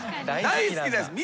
大好きです。